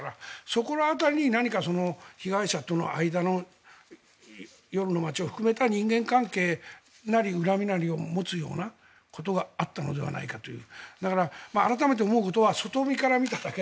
そこの辺りに何か被害者との間の夜の街を含めた人間関係なり恨みなりを持つようなことがあったのではないかという。